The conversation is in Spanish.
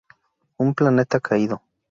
Un planeta caído.